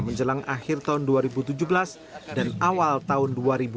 menjelang akhir tahun dua ribu tujuh belas dan awal tahun dua ribu delapan belas